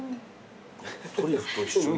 トリュフと一緒に。